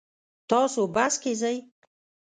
تاسو بس کې ځئ؟